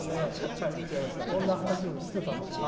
そんな話もしてたんですけど。